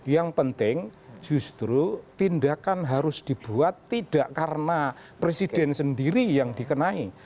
yang penting justru tindakan harus dibuat tidak karena presiden sendiri yang dikenai